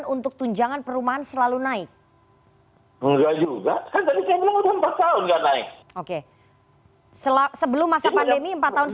untuk mendiskusikan soal itu